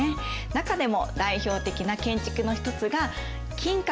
中でも代表的な建築の一つが金閣。